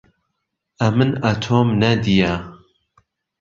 ئەمن ئەتۆم نەدییە